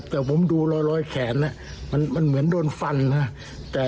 แต่ผมดูรอยแขนมันเหมือนโดนฟันนะ